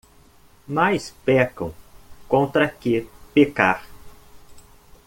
Mais pecam contra que pecar